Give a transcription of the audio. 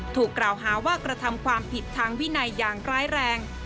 ถูกกล่าวหาว่ากระทำความผิดทางวินัยอย่างร้ายแรง